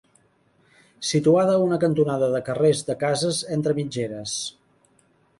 Situada a una cantonada de carrers de cases entre mitgeres.